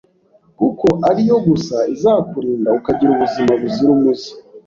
kuko ari yo gusa izakurinda ukagira ubuzima buzira umuze.